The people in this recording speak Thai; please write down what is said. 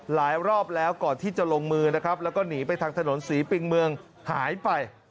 หลายรอบแล้วก่อนที่จะลงมือแล้วหนีไปทางถนนศรีปริงเมืองหายไป